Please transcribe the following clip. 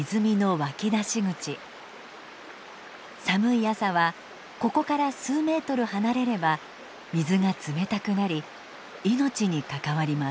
寒い朝はここから数メートル離れれば水が冷たくなり命に関わります。